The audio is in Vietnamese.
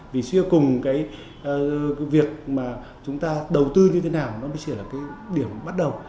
vì chia cùng cái việc mà chúng ta đầu tư như thế nào nó mới chỉ là cái điểm bắt đầu